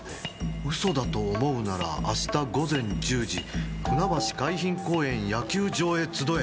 「嘘だと思うなら明日午前１０時船橋海浜公園野球場へ集え。